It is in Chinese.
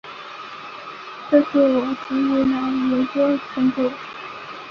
这是我十年来的研究成果